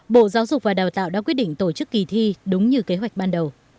bộ giáo dục và đào tạo đã quyết định tổ chức kỳ thi đúng như kế hoạch ban đầu